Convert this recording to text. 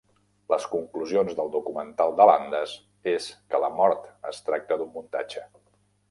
Les conclusions del documental de Landes és que la mort es tracta d'un muntatge.